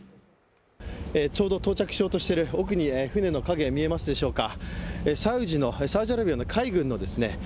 ちょうど到着しようとしてる奥に船の影が見えますでしょうか